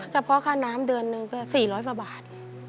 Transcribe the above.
เฉพาะค่าน้ำเดือนหนึ่งก็๔๐๐กว่าบาท